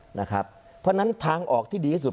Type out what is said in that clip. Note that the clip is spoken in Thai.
เพราะฉะนั้นทางออกที่ดีที่สุด